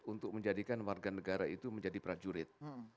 untuk menjadikan warga negara itu menjadi prajurit